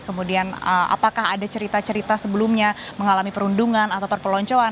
kemudian apakah ada cerita cerita sebelumnya mengalami perundungan atau perpeloncoan